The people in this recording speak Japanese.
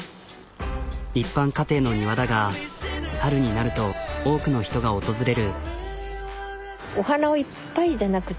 一般家庭の庭だが春になると多くの人が訪れる。